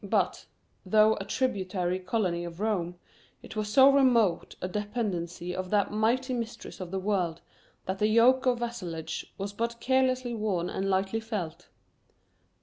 But, though a tributary colony of Rome, it was so remote a dependency of that mighty mistress of the world that the yoke of vassalage was but carelessly worn and lightly felt.